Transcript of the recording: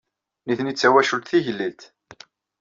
Nitni d tawacult tigellilt.